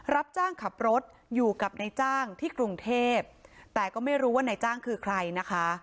รับจ้างขับรถอยู่กับนายจ้างที่กรุงเทพแต่ก็ไม่รู้ว่านายจ้างคือใครนะคะ